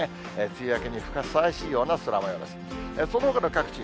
梅雨明けにふさわしいような空もようです。